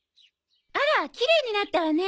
あらきれいになったわね。